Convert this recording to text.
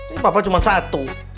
ini papa cuma satu